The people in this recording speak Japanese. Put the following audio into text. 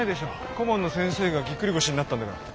顧問の先生がぎっくり腰になったんだから。